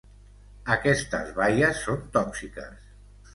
Aquestes baies són tòxiques.